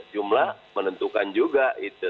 jumlah menentukan juga